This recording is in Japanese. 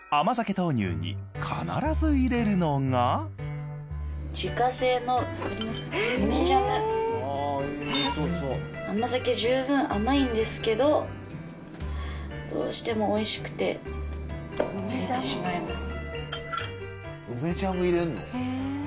豆乳に必ず入れるのが甘酒十分甘いんですけどどうしてもおいしくて入れてしまいます。